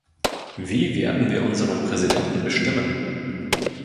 Wie werden wir unseren Präsidenten bestimmen?